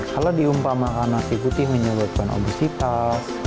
kalau diumpamakan nasi putih menyebabkan obesitas